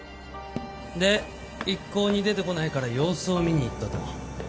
で一向に出てこないから様子を見に行ったと。